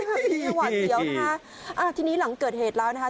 วันเดี๋ยวนะคะอ่าที่นี้หลังเกิดเหตุแล้วนะคะ